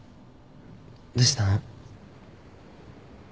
どうしたの？